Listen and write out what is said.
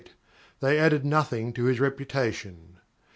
They added nothing to his reputation.